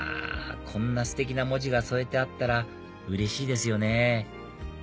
こんなステキな文字が添えてあったらうれしいですよね